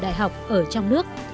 đại học ở trong nước